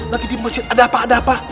lagi di masjid ada apa ada apa